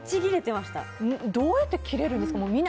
どうやってキレるんですか？